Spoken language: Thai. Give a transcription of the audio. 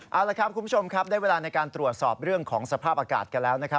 เอาละครับคุณผู้ชมครับได้เวลาในการตรวจสอบเรื่องของสภาพอากาศกันแล้วนะครับ